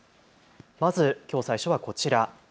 まずきょう最初はこちら。